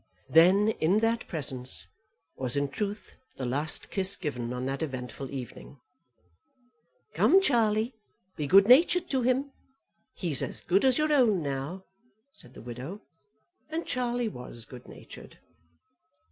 Then, in that presence, was in truth the last kiss given on that eventful evening. "Come, Charlie, be good natured to him. He's as good as your own now," said the widow. And Charlie was good natured.